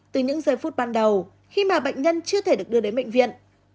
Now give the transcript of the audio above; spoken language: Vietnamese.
từ những giây phút ban đầu khi mà bệnh nhân chưa thể được đưa đến bệnh viện